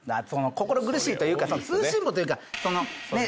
心苦しいというか通信簿というかそのねっ。